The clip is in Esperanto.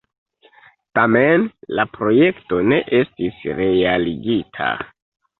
Tamen la projekto ne estis realigita.